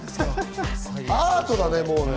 アートだねえ。